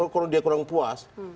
kalau dia kurang puas